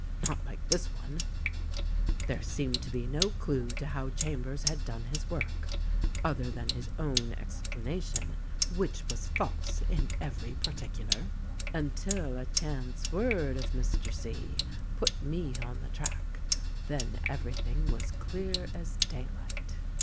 Not like this one ! "There seemed to be no clue to how Chambers had done his work (other than his own explanation, which was false in every particular) until a chance word of Mr. C. put me on the track. Then everything was clear as daylight.